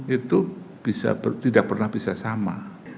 itu tidak pernah bisa sama